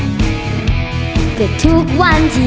เรียกประกันแล้วยังคะ